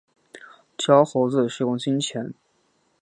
教猴子使用金钱